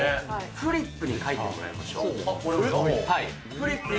フリップに書いてもらいましフリップに？